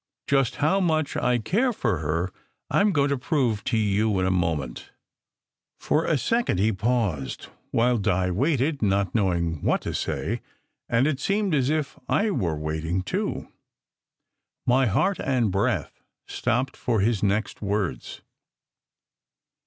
Just how much I care for her, I am going to prove to you in a moment." For a second he paused, while Di waited, not know ing what to say; and it seemed as if I were waiting, too; my heart and breath stopped for his next words.